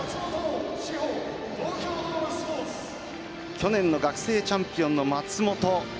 去年の学生チャンピオンの松本。